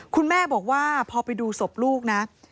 คุณแม่บอกว่าพอไปดูศพลูกนะ